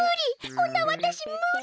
こんなわたしむり！